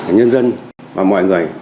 nhân dân và mọi người